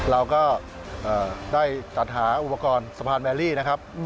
เราก็ได้จัดหาอุปกรณ์สะพานแมลี่นะครับ